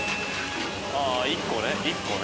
あぁ１個ね１個ね。